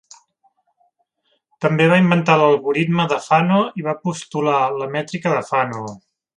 També va inventar l'algoritme de Fano i va postular la mètrica de Fano.